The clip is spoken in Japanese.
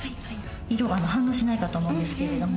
色が反応しないかと思うんですけれども。